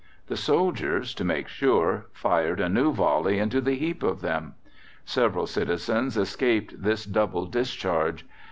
The soldiers, to make sure, fired a new volley into the heap of them. Several citizens escaped this double discharge.